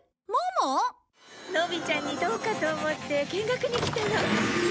のびちゃんにどうかと思って見学に来たの。